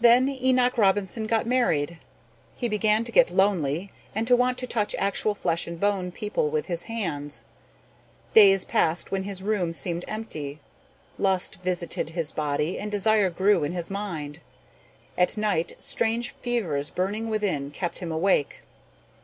Then Enoch Robinson got married. He began to get lonely and to want to touch actual flesh and bone people with his hands. Days passed when his room seemed empty. Lust visited his body and desire grew in his mind. At night strange fevers, burning within, kept him awake.